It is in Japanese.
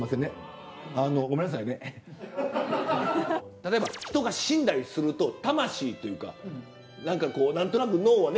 例えば人が死んだりすると魂というかなんかこうなんとなく脳はね